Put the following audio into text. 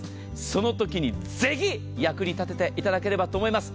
そのときにぜひ役に立てていただければと思います。